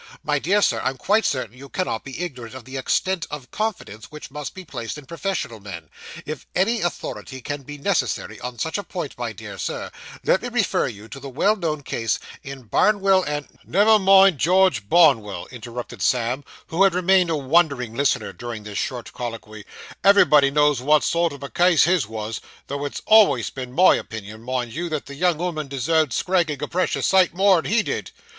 My dear sir, I'm quite certain you cannot be ignorant of the extent of confidence which must be placed in professional men. If any authority can be necessary on such a point, my dear sir, let me refer you to the well known case in Barnwell and ' 'Never mind George Barnwell,' interrupted Sam, who had remained a wondering listener during this short colloquy; 'everybody knows what sort of a case his was, tho' it's always been my opinion, mind you, that the young 'ooman deserved scragging a precious sight more than he did.